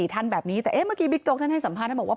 ท่านแบบนี้แต่เมื่อกี้บิ๊กโจ๊กท่านให้สัมภาษณ์บอกว่า